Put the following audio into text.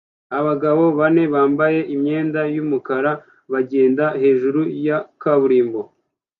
Abagabo bane bambaye imyenda yumukara bagenda hejuru ya kaburimbo